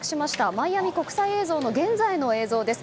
マイアミ国際空港の現在の映像です。